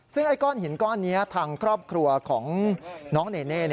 ซึ่งไอ้ก้อนหินก้อนนี้ทางครอบครัวของน้องเนเน่